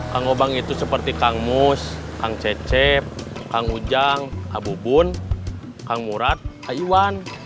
kang ubang itu seperti kang mus kang cecep kang ujang abu bun kang murad ayuan